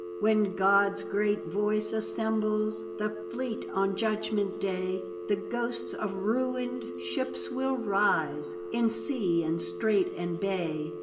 When God's great voice assembles The fleet on Judgment Day, The ghosts of ruined shit>s will rise In sea and strait and bay.